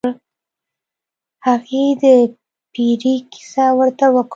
هغه د پیري کیسه ورته وکړه.